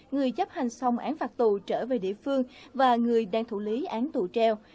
người chấp hành xong án phạt tù trở về địa phương và người đang thủ lý án tù treo